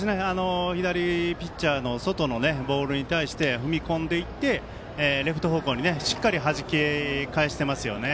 左ピッチャーの外のボールに対して踏み込んでいって、レフト方向にしっかりはじき返していますよね。